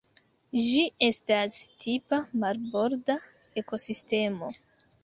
Ĝi estas tipa marborda ekosistemo.